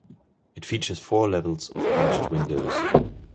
It features four levels of arched windows.